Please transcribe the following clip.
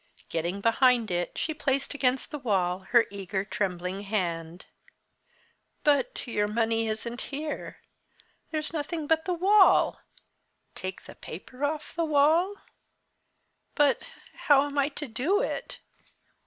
Getting behind it, she placed against the wall her eager, trembling hand. "But your money isn't here. There's nothing but the wall. Take the paper off the wall? But how am I to do it?